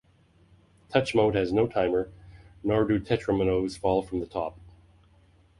Touch mode has no timer, nor do Tetriminoes fall from the top.